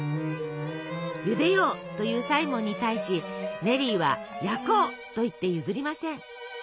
「ゆでよう」と言うサイモンに対しネリーは「焼こう」と言って譲りません。